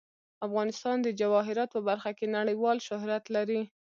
افغانستان د جواهرات په برخه کې نړیوال شهرت لري.